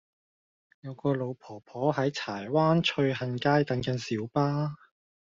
有個老婆婆喺柴灣翠杏街等緊小巴